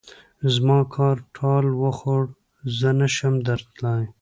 زما کار ټال وخوړ؛ زه نه شم درتلای.